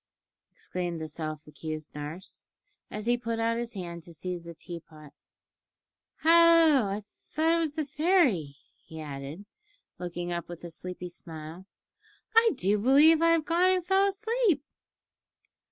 exclaimed the self accused nurse, as he put out his hand to seize the tea pot. "Hallo! I thought it was the fairy," he added, looking up with a sleepy smile; "I do believe I've gone and fell asleep."